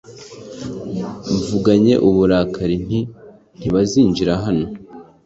mvuganye uburakari nti ntibazinjira hano